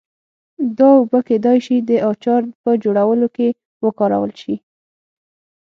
دا اوبه کېدای شي د اچار په جوړولو کې وکارول شي.